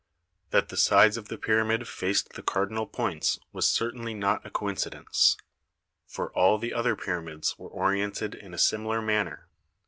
That the sides of the pyramid faced the cardinal points was cer tainly not a coincidence, for all the other pyramids were oriented in a similar manner.